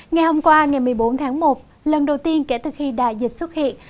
ngày hôm qua ngày một mươi bốn tháng một lần đầu tiên kể từ khi đại dịch xuất hiện